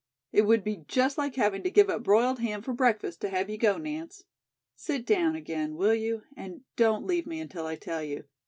It would be just like having to give up broiled ham for breakfast to have you go, Nance. Sit down again, will you, and don't leave me until I tell you.